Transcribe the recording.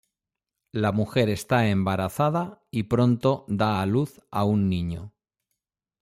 La mujer está embarazada, y pronto da a luz a un niño.